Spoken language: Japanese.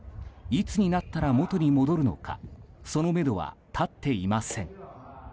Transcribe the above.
いつになったら元に戻るのかそのめどはたっていません。